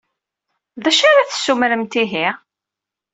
D acu ara d-tessumremt, ihi?